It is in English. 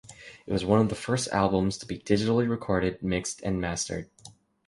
It was one of the first albums to be digitally recorded, mixed, and mastered.